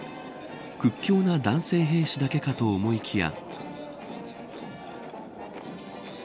屈強な男性兵士だけかと思いきや。